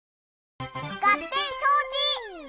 がってんしょうち！